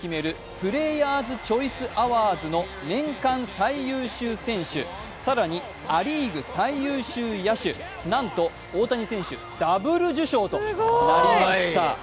プレーヤーズ・チョイス・アワーズの年間最優秀選手、更に、ア・リーグ最優秀野手なんと大谷選手、ダブル受賞となりました。